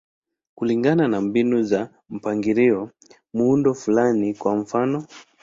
Kulingana na mbinu za mpangilio, muundo fulani, kwa mfano.